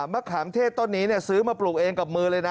มะขามเทศต้นนี้ซื้อมาปลูกเองกับมือเลยนะ